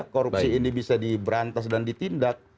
korupsi ini bisa diberantas dan ditindak